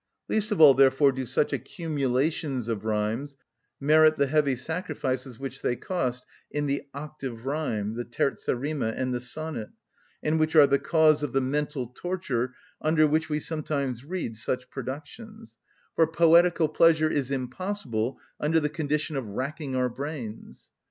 Least of all, therefore, do such accumulations of rhymes merit the heavy sacrifices which they cost in the octave rhyme, the terza rima, and the sonnet, and which are the cause of the mental torture under which we sometimes read such productions, for poetical pleasure is impossible under the condition of racking our brains.